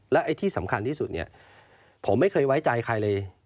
และไอ้ที่สำคัญที่สุดเนี่ยผมไม่เคยไว้ใจใครเลย